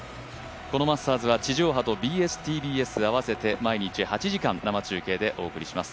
このマスターズは、地上波と、ＢＳ−ＴＢＳ合わせて毎日８時間、生中継でお送りします。